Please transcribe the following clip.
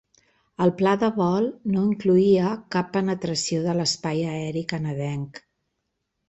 El pla de vol no incloïa cap penetració de l'espai aeri canadenc.